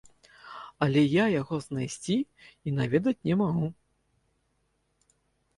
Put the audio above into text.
Але я яго знайсці і наведаць не магу.